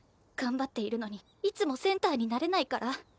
頑張っているのにいつもセンターになれないから？